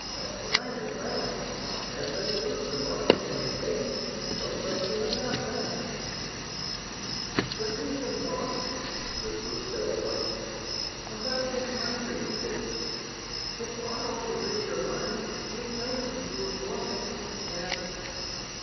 "That's right, at that. And they were neurotic and decadent. No question about that." "But listen, boss." This was Stella Wing. "About this mind reading business. If Laro could read your mind, he'd know you were bluffing and